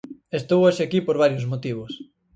Estou hoxe aquí por varios motivos.